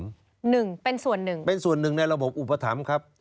เป็นส่วนหนึ่งเป็นส่วนหนึ่งในระบบอุปถรรมครับ